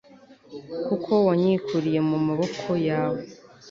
kuko wanyikuriye mu maboko yawe